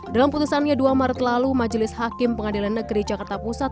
dalam putusannya dua maret lalu majelis hakim pengadilan negeri jakarta pusat